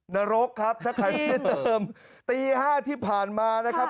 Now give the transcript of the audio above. นรกครับถ้าใครไม่ได้เติมตี๕ที่ผ่านมานะครับ